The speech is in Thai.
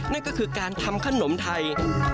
นั่นก็คือการทำขนมไทย